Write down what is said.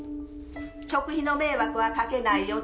食費の迷惑は掛けないよ。